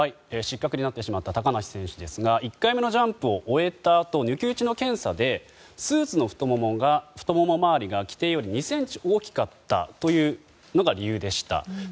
失格になってしまった高梨選手ですが１回目のジャンプを終えたあと抜き打ちの検査でスーツの太もも回りが規定より２ｃｍ大きかったというのが理由でした。